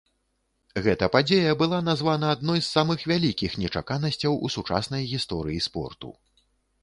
Гэта падзея была названа адной з самых вялікіх нечаканасцяў у сучаснай гісторыі спорту.